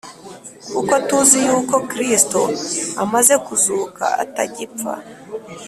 kuko tuzi yuko Kristo amaze kuzuka atagipfa